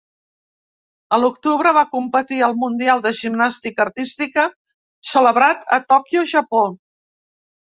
A l'octubre va competir al mundial de gimnàstica artística celebrat a Tòquio, Japó.